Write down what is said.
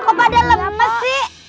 kok pada lemes sih